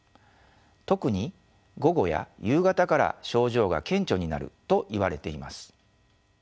特に午後や夕方から症状が顕著になるといわれています。